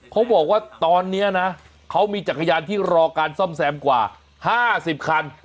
เขาบอกว่าตอนนี้นะเขามีจักรยานที่รอการซ่อมแซมกว่า๕๐คัน